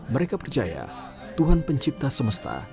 mereka percaya tuhan pencipta semesta